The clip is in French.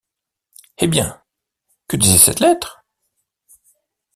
Eh bien ! que disait cette lettre ?